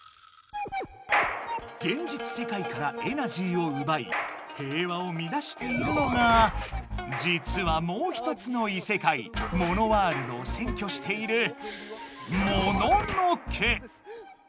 現実世界からエナジーをうばい平和をみだしているのがじつはもう一つの異世界モノワールドをせんきょしている「モノノ家」。